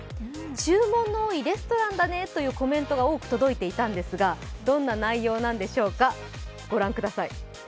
注文の多いレストランだねというコメントが多く届いていたんですが、どんな内容なんでしょうか。